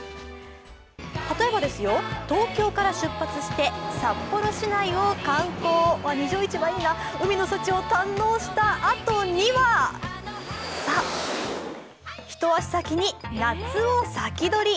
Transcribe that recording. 例えば、東京から出発して札幌市内を観光、海の幸を堪能したあとには一足先に夏を先取り。